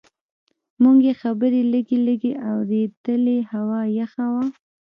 موږ یې خبرې لږ لږ اورېدلې، هوا یخه وه.